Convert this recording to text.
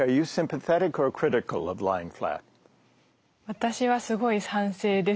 私はすごい賛成です。